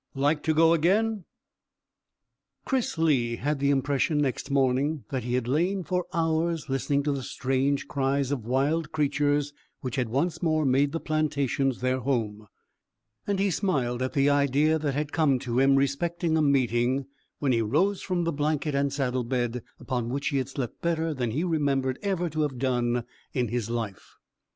LIKE TO GO AGAIN? Chris Lee had the impression next morning that he had lain for hours listening to the strange cries of wild creatures which had once more made the plantations their home, and he smiled at the idea that had come to him respecting a meeting, when he rose from the blanket and saddle bed, upon which he had slept better than he remembered ever to have done in his life.